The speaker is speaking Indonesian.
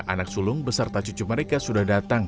anak sulung beserta cucu mereka sudah datang